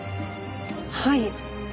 はい。